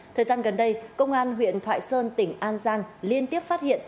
thời gian gần đây công an huyện thoại sơn tỉnh an giang liên tiếp phát hiện